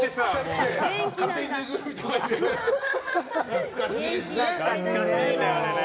懐かしいですね。